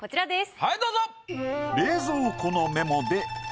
はいどうぞ。